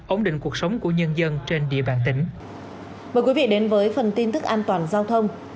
ổn định cuộc sống của nhân dân trên địa bàn tỉnh